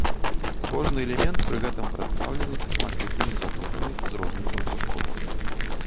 Кожны элемент пры гэтым прадстаўлены шматлікімі ізатопамі з розных ланцужкоў.